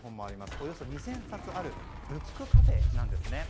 およそ２０００冊あるブックカフェなんですね。